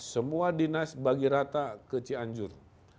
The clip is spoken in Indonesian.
semua dinas bagi rata ke cianjur